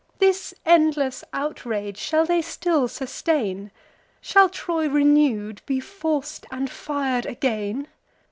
This endless outrage shall they still sustain? Shall Troy renew'd be forc'd and fir'd again?